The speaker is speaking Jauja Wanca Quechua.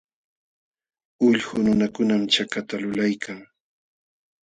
Ullqu nunakunam chakata lulaykan.